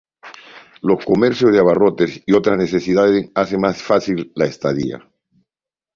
Los comercios de abarrotes y otras necesidades hacen más fácil la estadía.